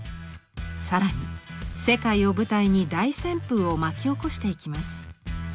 更に世界を舞台に大旋風を巻き起こしていきます。